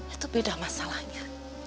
itu beda masalahnya